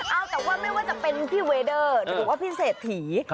เอาแต่ว่าไม่ว่าจะเป็นพี่เวเดอร์หรือว่าพี่เศรษฐี